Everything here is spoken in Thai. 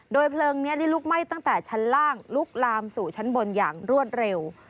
เพลิงนี้ได้ลุกไหม้ตั้งแต่ชั้นล่างลุกลามสู่ชั้นบนอย่างรวดเร็ว